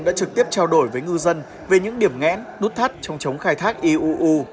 đã trực tiếp trao đổi với ngư dân về những điểm ngẽn nút thắt trong chống khai thác iuu